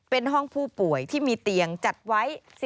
เป็นห้องผู้ป่วยที่มีเตียงจัดไว้